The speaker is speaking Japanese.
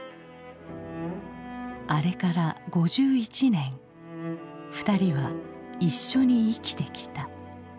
あれから５１年２人は一緒に生きてきた。